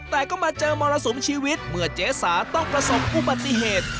แต่ก็มาเจอมรสุมชีวิตเมื่อเจ๊สาต้องประสบอุบัติเหตุ